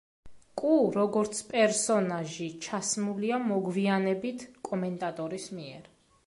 კუ, როგორც პერსონაჟი, ჩასმულია მოგვიანებით კომენტატორის მიერ.